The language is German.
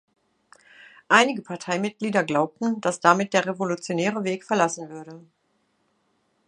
Einige Parteimitglieder glaubten, dass damit der revolutionäre Weg verlassen würde.